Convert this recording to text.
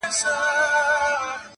د مینو درد غزل سي یا ټپه سي.